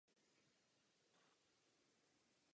V mozku přítomen ve značném množství.